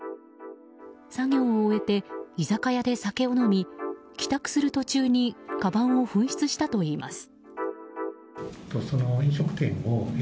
作業を終えて居酒屋で酒を飲み帰宅する途中にかばんを紛失したといいます。